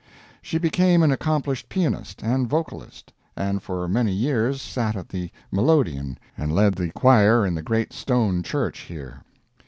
She became an accomplished pianist and vocalist, and for many years sat at the melodeon and led the choir in the great stone church here.